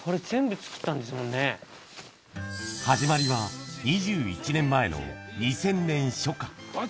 これ、始まりは２１年前の２０００年初夏。